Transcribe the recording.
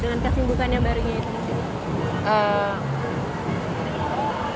dengan kesibukan yang barunya itu